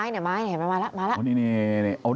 นี่ไม้มาแล้ว